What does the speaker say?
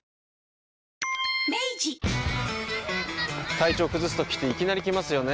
体調崩すときっていきなり来ますよね。